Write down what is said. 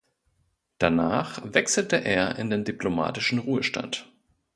Danach wechselte er in den diplomatischen Ruhestand.